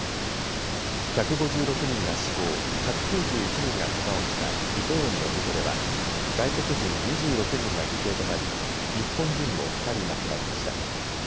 １５６人が死亡、１９１人がけがをしたイテウォンの事故では外国人２６人が犠牲となり日本人も２人亡くなりました。